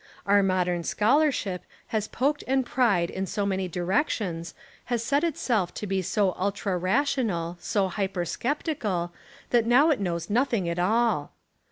Our modern scholarship has poked and pried in so many directions, has set itself to be so ultra rational, so hyper sceptical, that now it knows nothing at all.